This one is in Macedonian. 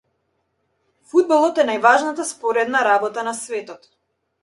Фудбалот е најважната споредна работа на светот.